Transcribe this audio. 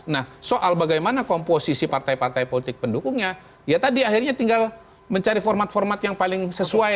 nah soal bagaimana komposisi partai partai politik pendukungnya ya tadi akhirnya tinggal mencari format format yang paling sesuai